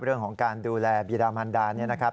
เรื่องของการดูแลบีดามันดาเนี่ยนะครับ